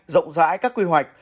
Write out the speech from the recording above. rộng rãi các quy hoạch